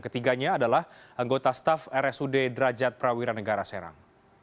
ketiganya adalah anggota staf rsud drajat prawira negara serang